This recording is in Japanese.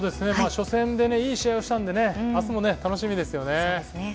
初戦でいい試合をしたのであすも楽しみですよね。